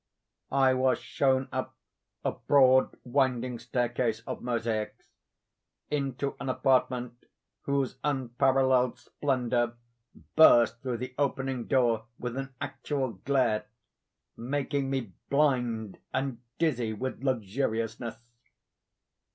I was shown up a broad winding staircase of mosaics, into an apartment whose unparalleled splendor burst through the opening door with an actual glare, making me blind and dizzy with luxuriousness.